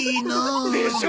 でしょ！？